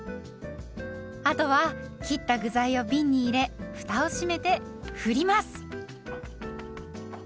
あとは切った具材をびんに入れふたを閉めて振ります。